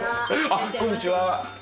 あっこんにちは！